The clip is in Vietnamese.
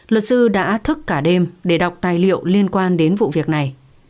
luật sư đã thức cả đêm để đọc tài liệu liên quan đến vụ việc này